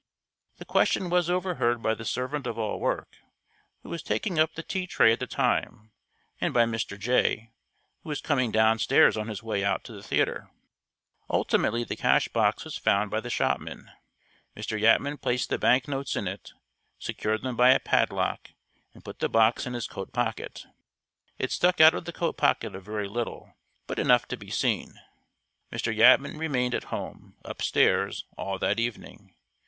The question was overheard by the servant of all work, who was taking up the tea tray at the time, and by Mr. Jay, who was coming downstairs on his way out to the theater. Ultimately the cash box was found by the shopman. Mr. Yatman placed the bank notes in it, secured them by a padlock, and put the box in his coat pocket. It stuck out of the coat pocket a very little, but enough to be seen. Mr. Yatman remained at home, upstairs, all that evening.